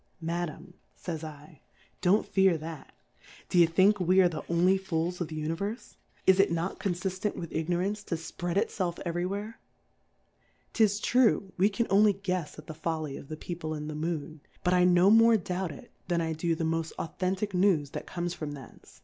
Madam, fajs /, don't fear that, d^e think we are the only Fools of the Uni verfe ? Is it not confiftent with Igno D 2 rancc '^j* 2. Difcourfes on the ranee to fpread it felf every where? 'Tis true, we can only guefs at the Fol ly of the People in the Moon, but I no more doubt it, than I do the moft Au thentick News that comes from thence.